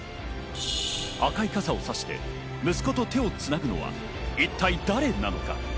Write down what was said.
赤い傘をさして息子と手をつなぐのは一体誰なのか。